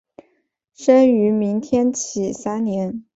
生于明天启三年。